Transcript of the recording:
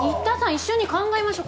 一緒に考えましょう